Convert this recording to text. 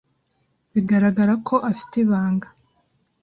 Bigaragara ko afite ibanga.